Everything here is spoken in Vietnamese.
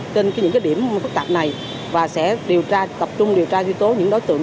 trên những cái điểm phức tạp này và sẽ tập trung điều tra duy tố những đối tượng